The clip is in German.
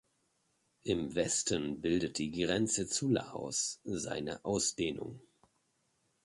Im Westen bildet die Grenze zu Laos seine Ausdehnung.